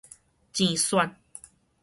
糋選